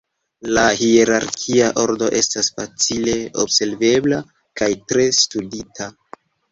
La hierarkia ordo estas facile observebla kaj tre studita.